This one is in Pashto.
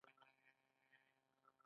آیا د فتح خان بړیڅ کیسه د غیرت درس نه دی؟